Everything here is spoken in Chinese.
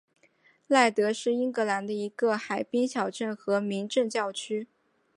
赖德是英格兰的一个海滨小镇和民政教区。